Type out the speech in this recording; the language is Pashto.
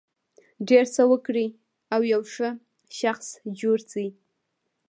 ډېر څه وکړي او یو ښه شخص جوړ شي.